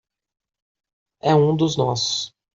É um dos nossos